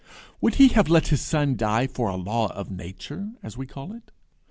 Would he have let his Son die for a law of nature, as we call it?